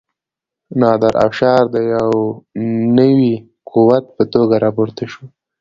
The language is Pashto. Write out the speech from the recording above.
نادر افشار د یو نوي قوت په توګه راپورته شو.